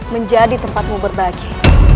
menjadi tempatmu berbagi